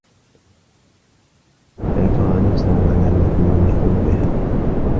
فَيَقْهَرُ نَفْسَهُ عَلَى مَذْمُومِ خُلُقِهَا